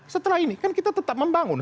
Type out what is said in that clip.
setelah ini kan kita tetap membangun